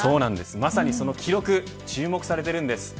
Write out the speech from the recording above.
まさにその記録注目されているんです。